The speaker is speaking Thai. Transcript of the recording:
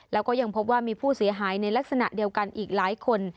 แล้วก็ยังพบว่ามีผู้เสียหายในลักษณะเดียวกันอีกหลายคน